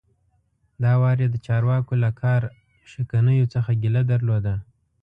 دا وار یې د چارواکو له کار شکنیو څخه ګیله درلوده.